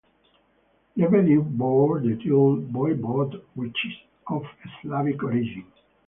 Levedi bore the title "voivode", which is of Slavic origin.